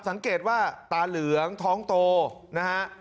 สังเกตว่าตาเหลืองท้องโตนะฮะ